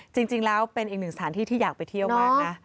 จริงแล้วเป็นอีกหนึ่งสถานที่ที่อยากไปเที่ยวมากนะ